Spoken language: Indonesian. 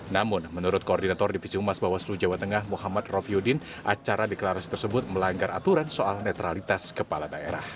namun menurut koordinator divisi umas bawaslu jawa tengah muhammad rofiudin acara deklarasi tersebut melanggar aturan soal netralitas kepala daerah